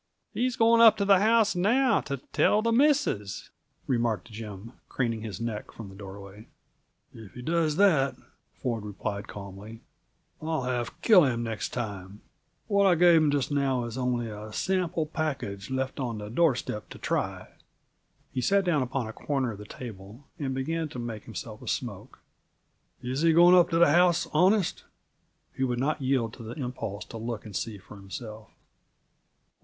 "He's going up to the house now, to tell the missus," remarked Jim, craning his neck from the doorway. "If he does that," Ford replied calmly, "I'll half kill him next time. What I gave him just now is only a sample package left on the doorstep to try." He sat down upon a corner of the table and began to make himself a smoke. "Is he going up to the house honest?" He would not yield to the impulse to look and see for himself.